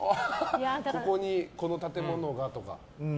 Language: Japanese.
ここに、この建物がとか？